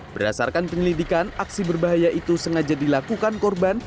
berdasarkan penyelidikan aksi berbahaya itu sengaja dilakukan korban